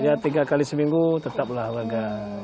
ya tiga kali seminggu tetaplah waga